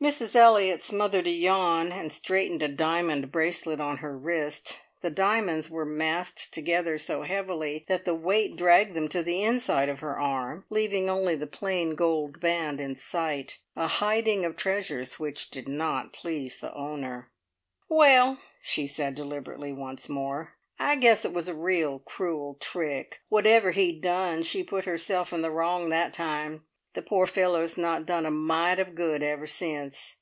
Mrs Elliott smothered a yawn, and straightened a diamond bracelet on her wrist. The diamonds were massed together so heavily that the weight dragged them to the inside of her arm, leaving only the plain gold band in sight, a hiding of treasures which did not please the owner. "Well," she said deliberately once more, "I guess it was a real cruel trick. Whatever he'd done, she put herself in the wrong that time. The poor fellow's not done a mite of good ever since."